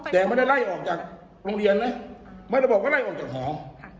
แต่ไม่ได้ไล่ออกจากโรงเรียนนะไม่ได้บอกว่าไล่ออกจากหอ